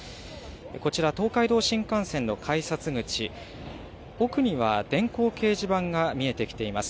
こちら、東海道新幹線の改札口、奥には電光掲示板が見えてきています。